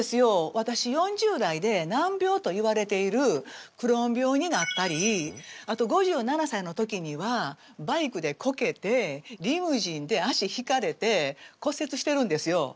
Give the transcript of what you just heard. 私４０代で難病といわれているクローン病になったりあと５７歳の時にはバイクでこけてリムジンで足ひかれて骨折してるんですよ。